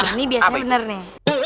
ini biasanya bener nih